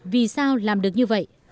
vì sao làm được như vậy